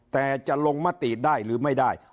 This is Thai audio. แต่จะลงมติได้หรือไม่ได้